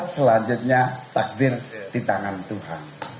selanjutnya takdir di tangan tuhan